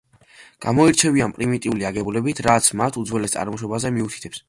გამოირჩევიან პრიმიტიული აგებულებით, რაც მათ უძველეს წარმოშობაზე მიუთითებს.